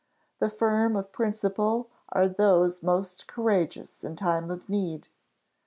The firm of principle are those most courageous in time of need.